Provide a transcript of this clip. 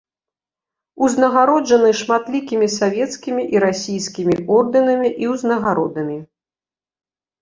Узнагароджаны шматлікімі савецкімі і расійскімі ордэнамі і ўзнагародамі.